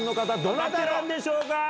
どなたなんでしょうか？